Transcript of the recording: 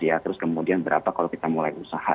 ya terus kemudian berapa kalau kita mulai usaha